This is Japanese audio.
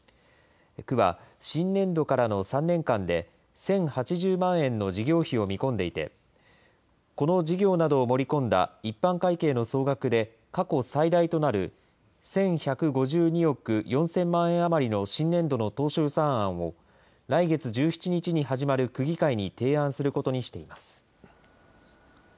区は新年度からの３年間で、１０８０万円の事業費を見込んでいて、この事業などを盛り込んだ一般会計の総額で、過去最大となる１１５２億４０００万円余りの新年度の当初予算案を、来月１７日に始まる区議会に提案することにしています。